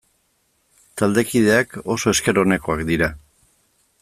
Taldekideak oso esker onekoak dira.